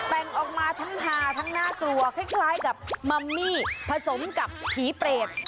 แต่งออกมาทั้งฮาทั้งน่ากลัวคล้ายกับมัมมี่ผสมกับผีเปรต